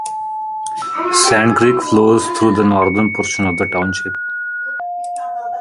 Sand Creek flows through the northern portion of the township.